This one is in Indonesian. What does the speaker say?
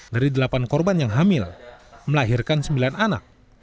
dari delapan korban yang hamil melahirkan sembilan anak